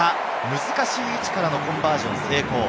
難しい位置からのコンバージョン成功。